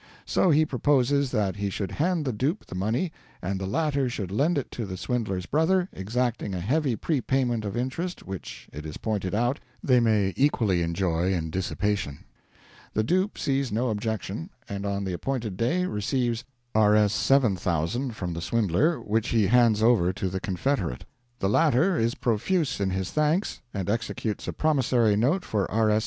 So he proposes that he should hand the dupe the money, and the latter should lend it to the swindler's brother, exacting a heavy pre payment of interest which, it is pointed out, they may equally enjoy in dissipation. The dupe sees no objection, and on the appointed day receives Rs.7,000 from the swindler, which he hands over to the confederate. The latter is profuse in his thanks, and executes a promissory note for Rs.